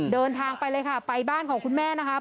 เดินทางไปเลยค่ะไปบ้านของคุณแม่นะคะ